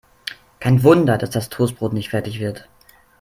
Kein Wunder, dass das Toastbrot nicht fertig wird.